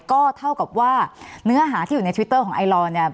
ก็เท่ากับว่าเนื้อหาที่อยู่ในทวิตเตอร์ของไอลอนเนี่ย